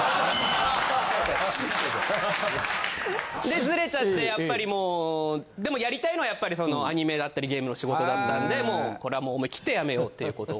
でズレちゃってやっぱりもうでもやりたいのはやっぱりそのアニメだったりゲームの仕事だったんでもうこれはもう思いきって辞めようっていうこと。